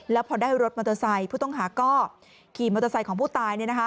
แล้วพอได้รถมอเตอร์ไซค์ผู้ต้องหาก็ขี่มอเตอร์ไซค์ของผู้ตาย